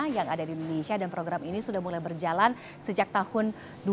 yang ada di indonesia dan program ini sudah mulai berjalan sejak tahun dua ribu dua